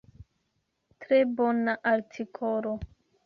Tre bona artikolo!